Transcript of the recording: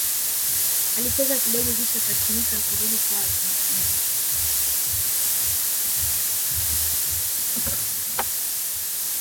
alicheza kidogo kisha akatimka kurudi kwao argentina